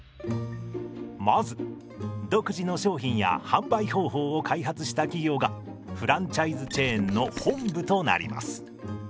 まず独自の商品や販売方法を開発した企業がフランチャイズチェーンの本部となります。